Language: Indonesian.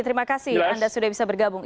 terima kasih anda sudah bisa bergabung